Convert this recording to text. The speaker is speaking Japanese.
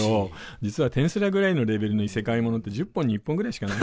実は「転スラ」ぐらいのレベルの異世界モノって１０本に１本ぐらいしかないのでなかなかね。